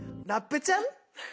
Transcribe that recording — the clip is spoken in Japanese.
ラップちゃん！